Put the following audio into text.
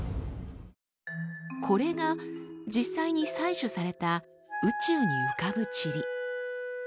これが実際に採取された宇宙に浮かぶチリ。